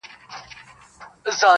هر څه هماغسې مبهم پاتې کيږي-